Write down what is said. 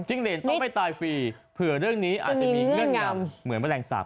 จิ้งเลนต้องไปตายฟรีเผลอเรื่องนี้อาจจะมีเงื่อนกล่าวเหมือนแมวแหล่งศัพท์